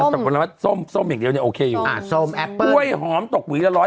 ส้มส้มส้มอย่างเดียวเนี้ยโอเคอยู่ส้มแอปเปิ้ลกล้วยหอมตกหวีละ